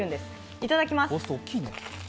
いただきます！